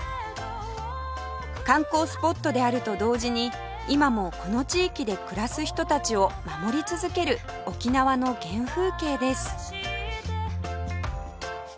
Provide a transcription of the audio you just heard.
観光スポットであると同時に今もこの地域で暮らす人たちを守り続ける沖縄の原風景です